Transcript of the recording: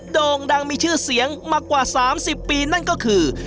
โด่งดังมีชื่อเสียงมากว่า๓๐ปีนั่นก็คือ